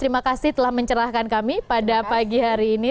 terima kasih telah mencerahkan kami pada pagi hari ini